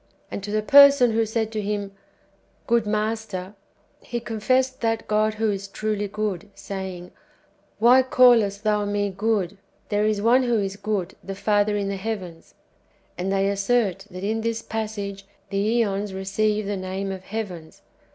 And to the person who said to Him, " Good Master," ^ He confessed that God who is truly good, saying, " Why callest thou me good : there is one who is good, the Father in the heavens ;"^ and they assert that in this passage the ^ons receive the name of heavens.